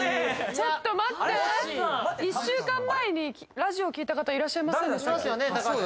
ちょっと待って１週間前にラジオ聞いた方いらっしゃいませんでしたっけ？